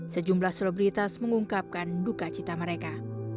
sejumlah selebritas mengungkapkan duka cita mereka